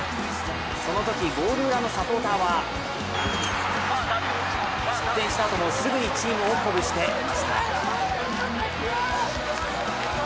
そのとき、ゴール裏のサポーターは失点したあともすぐにチームを鼓舞していました。